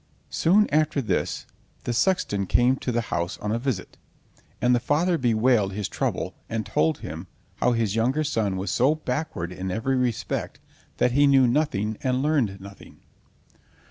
Soon after this the sexton came to the house on a visit, and the father bewailed his trouble, and told him how his younger son was so backward in every respect that he knew nothing and learned nothing.